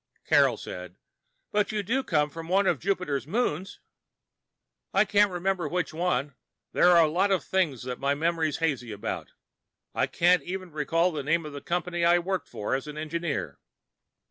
Carol said, "But you do come from one of Jupiter's moons?" "I can't remember which one. There are a lot of things that my memory's hazy about. I can't even recall the name of the company I worked for as an engineer."